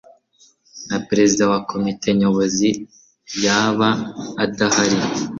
na Perezida wa Komite Nyobozi yaba adahari